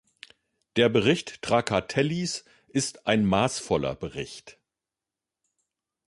Der Bericht Trakatellis ist ein maßvoller Bericht.